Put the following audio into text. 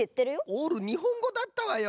オールにほんごだったわよ